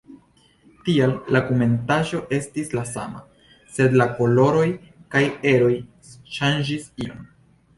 Tial la kunmetaĵo estis la sama, sed la koloroj kaj eroj ŝanĝis iom.